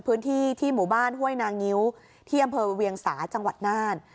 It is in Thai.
พื้นที่ที่หมู่บ้านห้วยนางิ้วที่อำเภอเวียงสาจังหวัดน่าน